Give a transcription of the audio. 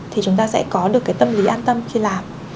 thì chúng ta sẽ có được cái tâm lý an tâm khi làm